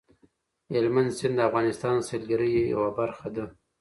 هلمند سیند د افغانستان د سیلګرۍ یوه برخه ده.